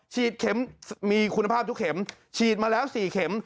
เข็มมีคุณภาพทุกเข็มฉีดมาแล้ว๔เข็ม